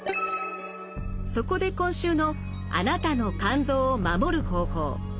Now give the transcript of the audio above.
そこで今週の「あなたの肝臓を守る方法」。